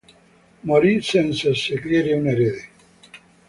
Morì senza scegliere un erede.